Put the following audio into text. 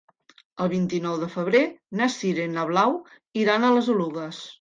El vint-i-nou de febrer na Sira i na Blau iran a les Oluges.